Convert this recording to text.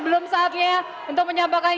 belum saatnya untuk menyampaikan